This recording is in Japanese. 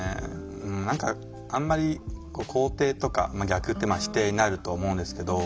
何かあんまり肯定とか逆って否定になると思うんですけど。